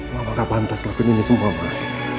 mama gak bantas lakuin ini semua mama